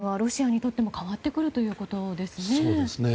宜嗣さん、戦い方はロシアにとっても変わってくるということですね。